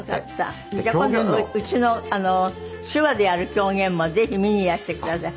今度うちの手話でやる狂言もぜひ見にいらしてください。